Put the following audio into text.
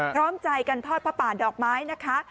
พร้อมใจกันทอดผ้าป่าดอกไม้นะคะ